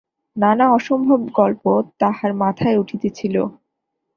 নানা অসম্ভব গল্প তাহার মাথায় উঠিতেছিল।